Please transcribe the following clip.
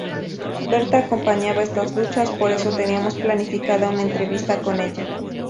Berta acompañaba estas luchas, por eso teníamos planificada una entrevista con ella.